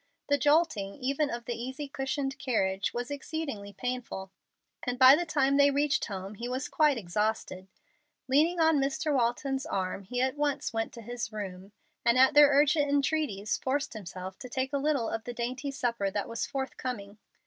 The jolting, even of the easy cushioned carriage, was exceedingly painful, and by the time they reached home he was quite exhausted. Leaning on Mr. Walton's arm he at once went to his room, and at their urgent entreaties forced himself to take a little of the dainty supper that was forthcoming.